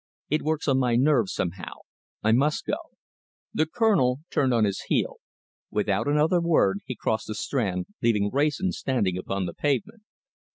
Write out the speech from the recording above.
It works on my nerves somehow. I must go." The Colonel turned on his heel. Without another word, he crossed the Strand, leaving Wrayson standing upon the pavement.